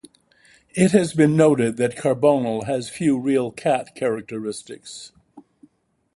It has been noted that Carbonel has few real cat characteristics.